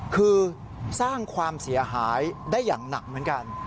คือสร้างความเสียหายได้อย่างหนักเหมือนกัน